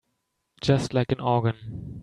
Just like an organ.